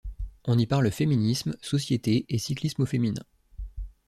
On y parle féminisme, société et cyclisme au féminin.